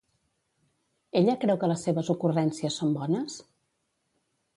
Ella creu que les seves ocurrències són bones?